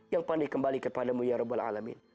yang pandai kembali kepadamu ya rabul alamin